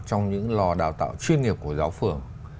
trong những lò đào tạo chuyên nghiệp của giáo phường